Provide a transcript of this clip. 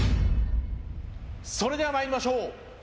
それでは参りましょう。